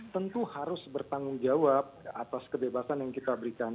tentu harus bertanggung jawab atas kebebasan yang kita berikan